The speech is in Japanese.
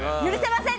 許せませんね！